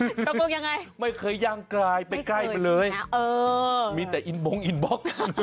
ตากลงยังไงไม่เคยย่างกลายไปใกล้ไปเลยไม่เคยทีนะมีแต่อินโบ๊คอินบ๊อก